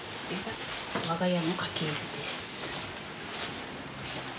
我が家の家系図です。